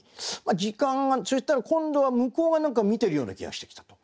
時間がそうしたら今度は向こうが何か見てるような気がしてきたと。